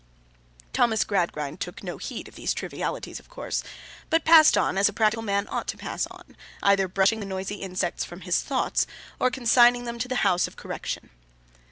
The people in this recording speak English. Thomas Gradgrind took no heed of these trivialities of course, but passed on as a practical man ought to pass on, either brushing the noisy insects from his thoughts, or consigning them to the House of Correction.